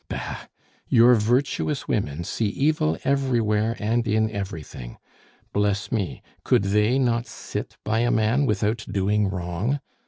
Bah! your virtuous women see evil everywhere and in everything. Bless me, could they not sit by a man without doing wrong?